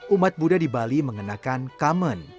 umat buddha di bali mengenakan kamen